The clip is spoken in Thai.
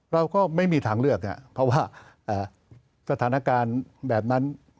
เราก็ไม่มีทางเลือกเพราะว่าสถานการณ์แบบนั้น